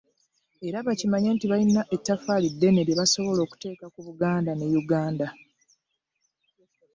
Era bakimanye nti balina ettoffaali ddene lye basobola okuteeka ku Buganda ne Uganda